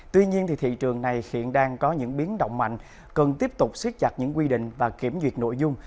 tuy nhiên thị trường này hiện đang có những biến động mạnh cần tiếp tục siết chặt những quy định và kiểm duyệt nội dung